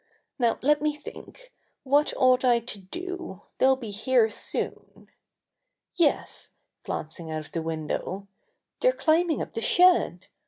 *'Now let me think! What ought I to do? They'll be here soon. Yes," glancing out of the window, "they're climbing up the shed.